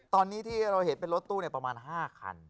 ตอนนี้ที่เราเห็นเป็นรถตู้ประมาณ๕คัน